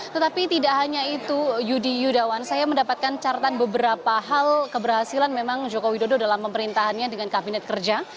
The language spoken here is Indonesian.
tetapi tidak hanya itu yudi yudawan saya mendapatkan cartan beberapa hal keberhasilan memang joko widodo dalam pemerintahannya dengan kabinet kerja